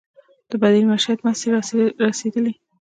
د بدیل معیشت مرستې رسیدلي؟